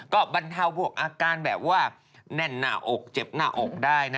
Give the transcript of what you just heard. ก็บรรเทาพวกอาการแบบว่าแน่นหน้าอกเจ็บหน้าอกได้นะ